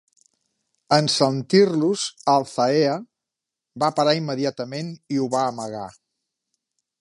En sentir-los, Althaea va parar immediatament i ho va amagar.